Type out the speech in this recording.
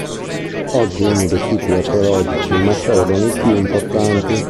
Oggi è uno dei siti archeologici macedoni più importanti.